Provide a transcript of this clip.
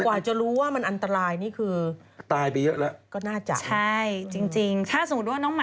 ถ้าสมมุติว่าน้องหมาของคุณ